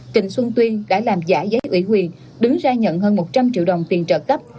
trịnh xuân tuyên đã làm giả giấy ủy quyền đứng ra nhận hơn một trăm linh triệu đồng tiền trợ cấp